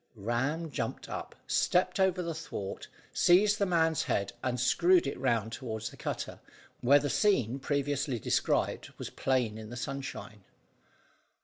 Ram jumped up, stepped over the thwart, seized the man's head, and screwed it round toward the cutter, where the scene previously described was plain in the sunshine.